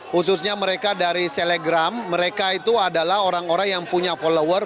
khususnya mereka dari selegram mereka itu adalah orang orang yang punya follower